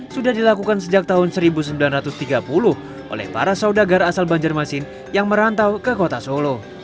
sudah dilakukan sejak tahun seribu sembilan ratus tiga puluh oleh para saudagar asal banjarmasin yang merantau ke kota solo